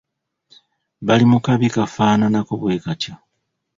Bali mu kabi kafaanaanako bwe katyo.